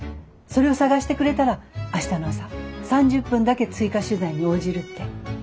それを探してくれたら明日の朝３０分だけ追加取材に応じるって。